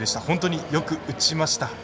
本当によく打ちました。